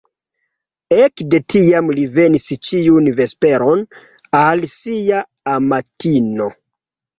Ekde tiam li venis ĉiun vesperon al sia amatino.